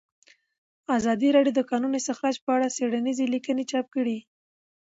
ازادي راډیو د د کانونو استخراج په اړه څېړنیزې لیکنې چاپ کړي.